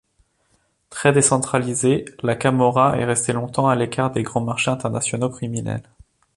Très décentralisée, la Camorra est restée longtemps à l’écart des grands marchés internationaux criminels.